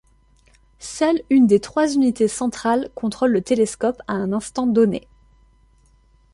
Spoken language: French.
Seule une des trois unités centrales contrôle le télescope à un instant donné.